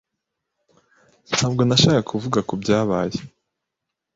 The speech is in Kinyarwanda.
Ntabwo nashakaga kuvuga kubyabaye.